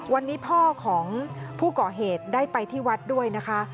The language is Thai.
วันนี้พ่อของผู้ก่อเหตุได้ไปที่วัดด้วยนะคะ